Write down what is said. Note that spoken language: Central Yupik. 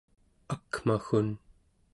akmaggun